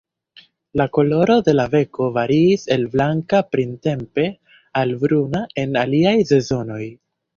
La koloro de la beko variis el blanka printempe al bruna en aliaj sezonoj.